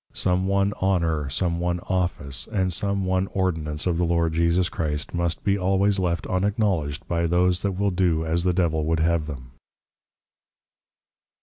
Some one Honour, some one Office, and some one Ordinance of the Lord Jesus Christ, must be always left unacknowledged, by those that will do as the Devil would have them.